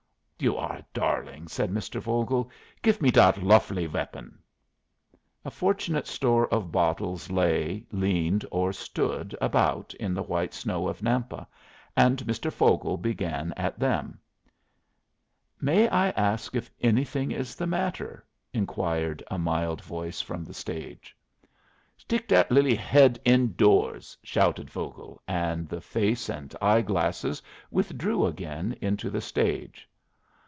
"You are a darling," said Mr. Vogel. "Gif me dat lofely weapon." A fortunate store of bottles lay, leaned, or stood about in the white snow of Nampa, and Mr. Vogel began at them. "May I ask if anything is the matter?" inquired a mild voice from the stage. "Stick that lily head in doors," shouted Vogel; and the face and eye glasses withdrew again into the stage.